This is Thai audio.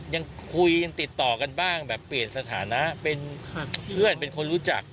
ยังคุยยังติดต่อกันบ้างแบบเปลี่ยนสถานะเป็นเพื่อนเป็นคนรู้จัก